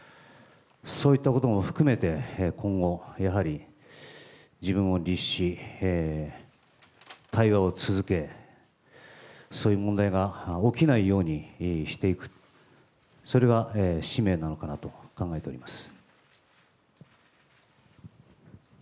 そういったことも含めて、今後、やはり自分を律し、対話を続け、そういう問題が起きないようにしていく、それが使命なのかなと考えております。